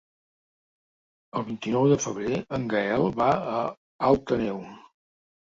El vint-i-nou de febrer en Gaël va a Alt Àneu.